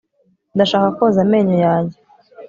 ndashaka koza amenyo yanjye